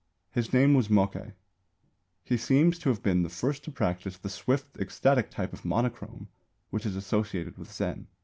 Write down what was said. His name was Mokkei. He seems to have been the first to practise the swift, ecstatic type of monochrome which is associated with Zen.